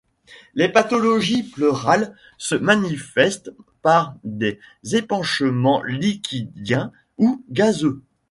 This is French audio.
Les pathologies pleurales se manifestent par des épanchements liquidiens ou gazeux.